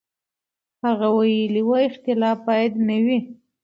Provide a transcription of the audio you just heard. هغه ویلي و، اختلاف باید نه وي.